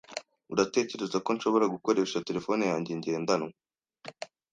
Uratekereza ko nshobora gukoresha terefone yanjye ngendanwa?